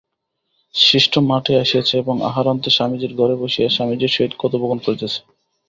শিষ্য মঠে আসিয়াছে এবং আহারান্তে স্বামীজীর ঘরে বসিয়া স্বামীজীর সহিত কথোপকথন করিতেছে।